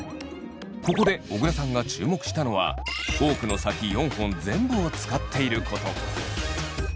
ここで小倉さんが注目したのはフォークの先４本全部を使っていること。